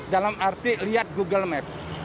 dalam arti lihat google map